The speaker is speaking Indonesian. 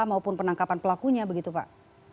maupun penangkapan pelakunya begitu pak